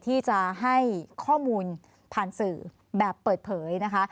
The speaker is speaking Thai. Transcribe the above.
ที่จะให้ข้อมูลผ่านสื่อแบบเปิดเผยนะคะ